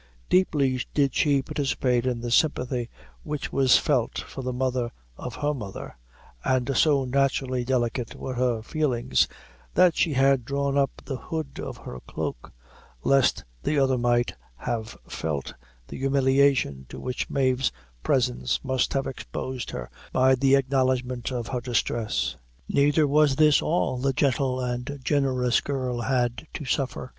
Deeply did she participate in the sympathy which was felt for the mother of her mother, and so naturally delicate were her feelings, that she had drawn up the hood of her cloak, lest the other might have felt the humiliation to which Mave's presence must have exposed her by the acknowledgment of her distress. Neither was this all the gentle and generous girl had to suffer.